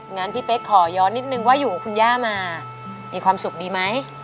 งั้นพี่เป๊กขอย้อนนิดนึงว่าอยู่กับคุณย่ามามีความสุขดีไหม